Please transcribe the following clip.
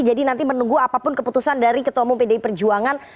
jadi nanti menunggu apapun keputusan dari ketua mupdi perjuangan